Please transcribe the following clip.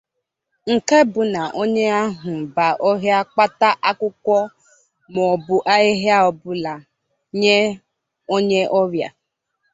nkè bụ na onye ahụ bàá ọhịa kpata akwụkwọ maọabụ ahịhịa ọbụla nye onye ọrịa